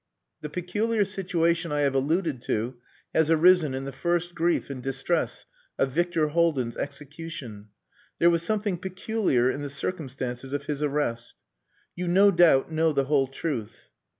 The peculiar situation I have alluded to has arisen in the first grief and distress of Victor Haldin's execution. There was something peculiar in the circumstances of his arrest. You no doubt know the whole truth...."